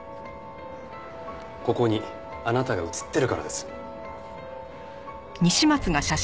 ここにあなたが写ってるからです。